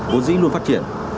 vốn dĩ luôn phát triển